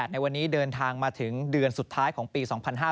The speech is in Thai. ในวันนี้เดินทางมาถึงเดือนสุดท้ายของปี๒๕๕๙